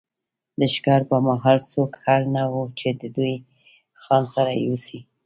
د ښکار پر مهال څوک اړ نه وو چې ډوډۍ له ځان سره یوسي.